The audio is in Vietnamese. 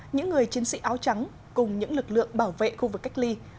những người chiến sĩ áo trắng cùng những lực lượng bảo vệ khu vực cách ly